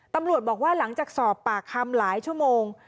ตำรวจบอกว่าหลังจากสอบปากคำหลายชั่วโมง